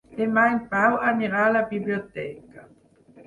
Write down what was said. Demà en Pau anirà a la biblioteca.